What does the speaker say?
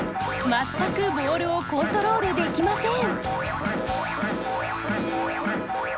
全くボールをコントロールできません。